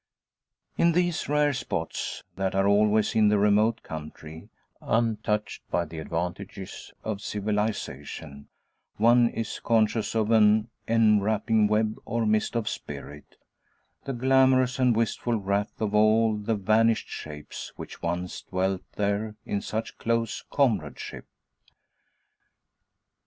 In these rare spots, that are always in the remote country, untouched by the advantages of civilization, one is conscious of an enwrapping web or mist of spirit, the glamorous and wistful wraith of all the vanished shapes which once dwelt there in such close comradeship.